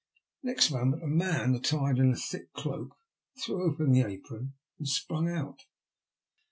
Next moment a man attired in a thick cloak threw open the apron and sprang out.